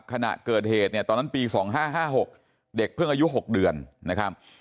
ขณะเกิดเหตุเนี่ยตอนนั้นปี๒๕๕๖เด็กเพิ่งอายุ๖เดือนนะครับ